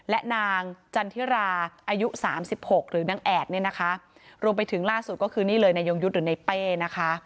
และนางจันทิราอายุสามสิบหกหรือนางแอดเนี่ยนะคะรวมไปถึงล่าสุดก็คือนี่เลยนายยงยุทธ์หรือในเป้นะคะ